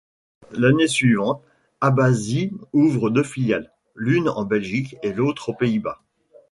L'année suivante, Habasit ouvre deux filiales, l'une en Belgique et l'autre aux Pays-Bas.